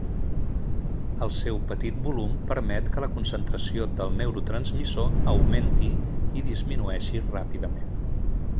El seu petit volum permet que la concentració del neurotransmissor augmenti i disminueixi ràpidament.